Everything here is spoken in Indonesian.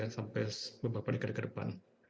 sampai beberapa dekade kedepan